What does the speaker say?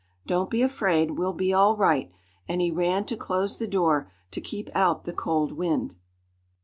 Don't be afraid. We'll be all right," and he ran to close the door, to keep out the cold wind.